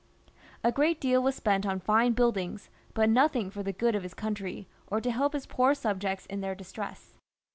A great deal was spent on fine buildings, but nothing for the good of his country, or to help his poor subjects in their distress.